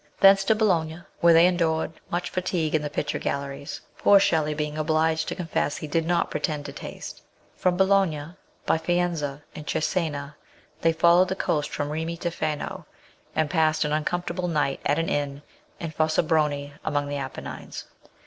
Thence to Bologna, where they endured much fatigue in the picture galleries, poor Shelley being obliged to confess he did not pretend to taste. From Bologna, by Faenza and Cesena, they followed the coast from Rimini to Fano, and passed an uncomfortable night at an inn at Fossombrone among the Apennines.